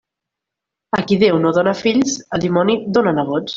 A qui Déu no dóna fills, el dimoni dóna nebots.